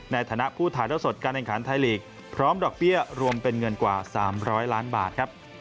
ในฐานะผู้ถ่ายเท่าสดการแข่งขันไทยลีกพร้อมดอกเบี้ยรวมเป็นเงินกว่า๓๐๐ล้านบาทครับ